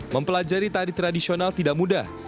mempelajari tari tradisional tidak mudah